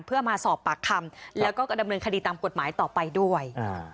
เพื่อมาสอบปากคำแล้วก็ดำเนินคดีตามกฎหมายต่อไปด้วย